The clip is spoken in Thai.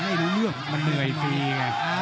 มันเหนื่อยฟรีไง